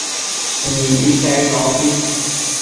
Mibi cainonbi